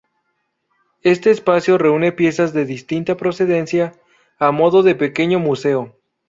Este espacio reúne piezas de distinta procedencia, a modo de pequeño museo.